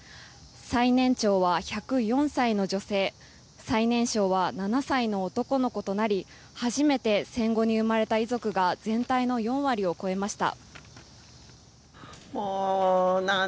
最年長は１０４歳の女性最年少は７歳の男の子となり初めて戦後に生まれた遺族が全体の４割を超えました。